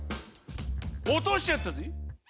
落としちゃったぜ。